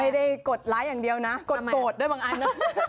ไม่ได้กดไลค์อย่างเดียวนะกดด้วยบางอันนะ